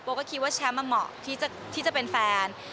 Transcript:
ก็คิดว่าแชมป์เหมาะที่จะเป็นแฟน